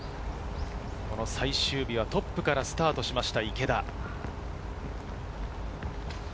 最終日はトップからスタートしました。